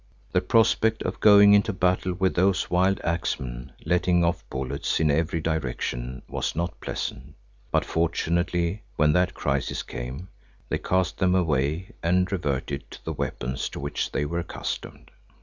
The prospect of going into battle with those wild axemen letting off bullets in every direction was not pleasant, but fortunately when that crisis came, they cast them away and reverted to the weapons to which they were accustomed.